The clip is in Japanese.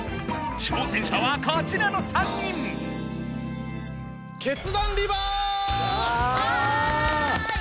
挑戦者はこちらの３人。わい！